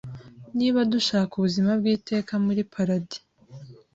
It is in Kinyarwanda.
niba dushaka Ubuzima bw’iteka muli Paradis,